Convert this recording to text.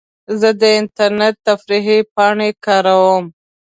زه د انټرنیټ تفریحي پاڼې کاروم.